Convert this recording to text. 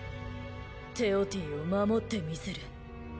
テオティを守ってみせる。